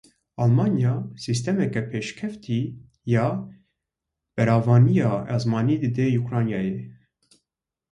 Almanya sîstemeke pêşkevtî ya berevaniya esmanî dide Ukraynayê.